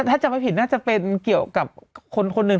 ถ้าจำไม่ผิดน่าจะเป็นเกี่ยวกับคนหนึ่ง